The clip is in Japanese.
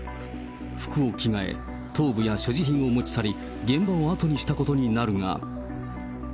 服を着替え、頭部や所持品を持ち去り、現場を後にしたことになるが。